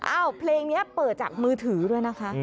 เพลงนี้เปิดจากมือถือด้วยนะคะ